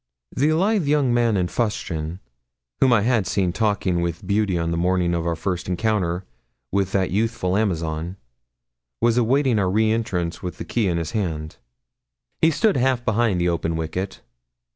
The lithe young man in fustian, whom I had seen talking with Beauty on the morning of our first encounter with that youthful Amazon, was awaiting our re entrance with the key in his hand. He stood half behind the open wicket.